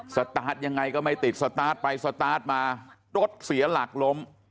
สตาร์ทยังไงก็ไม่ติดสตาร์ทไปสตาร์ทมารถเสียหลักล้ม